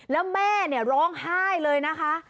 แล้วแม่ร้องไห้เลยนะคะ